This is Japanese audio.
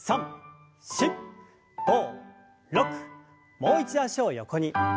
もう一度脚を横に。